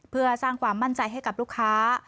เพื่อสร้างความมั่นใจให้กับลูกค้า